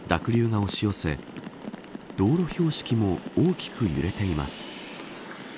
濁流が押し寄せ道路標識も大きく揺れています。